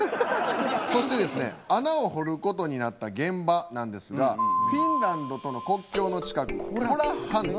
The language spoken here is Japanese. そしてですね穴を掘ることになった現場なんですがフィンランドとの国境の近くコラ半島。